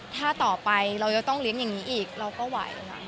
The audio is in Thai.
ถ้าต่อไปเราจะต้องเลี้ยงอย่างนี้อีกเราก็ไหว